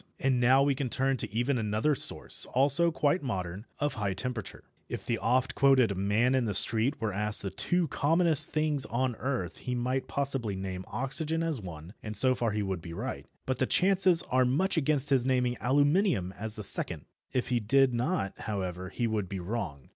And now we can turn to even another source, also quite modern, of high temperature. If the oft quoted "man in the street" were asked the two commonest things on earth he might possibly name oxygen as one, and so far he would be right, but the chances are much against his naming aluminium as the second. If he did not, however, he would be wrong.